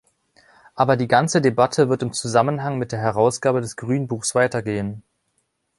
Aber die ganze Debatte wird im Zusammenhang mit der Herausgabe des Grünbuchs weitergehen.